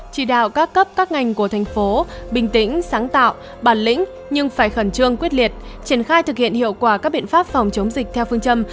chỉ đạo các cấp các ngành của thành phố bình tĩnh sáng tạo bản lĩnh nhưng phải khẩn trương quyết liệt triển khai thực hiện hiệu quả các biện pháp phòng chống dịch theo phương châm